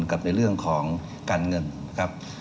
กับในเรื่องของการเงินครับ